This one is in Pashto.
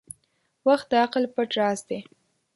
• وخت د عقل پټ راز دی.